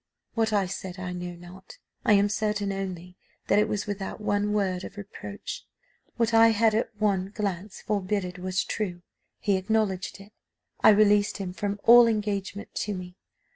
"What I said I know not; I am certain only that it was without one word of reproach. What I had at one glance foreboded was true he acknowledged it. I released him from all engagement to me.